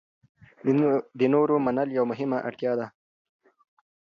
د نورو منل یوه مهمه اړتیا ده.